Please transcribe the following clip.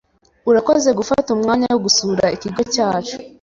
Urakoze gufata umwanya wo gusura ikigo cyacu.